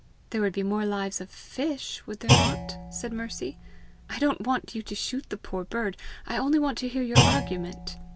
"There would be more lives of fish would there not?" said Mercy. "I don't want you to shoot the poor bird; I only want to hear your argument!"